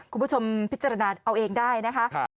คุณผู้ชมพิจารณาเอาเองได้นะคะ